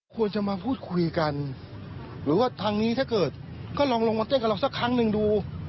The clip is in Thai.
ควรจะมาพูดคุยกันหรือว่าทางนี้ถ้าเกิดก็ลองลงมาเต้นกับเราสักครั้งหนึ่งดู